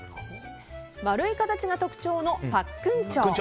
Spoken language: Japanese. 丸い形が特徴のパックンチョ。